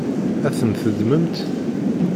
Ad tent-teddmemt?